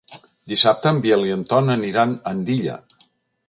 Dissabte en Biel i en Ton aniran a Andilla.